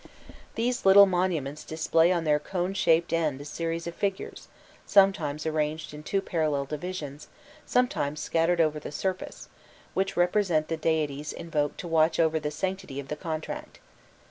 These little monuments display on their cone shaped end a series of figures, sometimes arranged in two parallel divisions, sometimes scattered over the surface, which represent the deities invoked to watch over the sanctity of the contract.